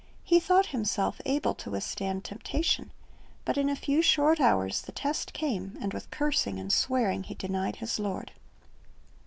He thought himself able to withstand temptation; but in a few short hours the test came, and with cursing and swearing he denied his Lord.